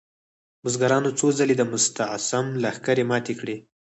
بزګرانو څو ځلې د مستعصم لښکرې ماتې کړې.